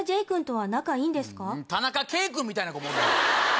田中圭君みたいな子もおるんや。